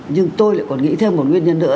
nhưng tôi lại còn nghĩ thêm một nguyên nhân nữa